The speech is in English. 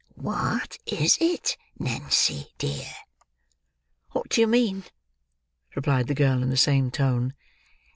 "What is it, Nancy, dear?" "What do you mean?" replied the girl, in the same tone.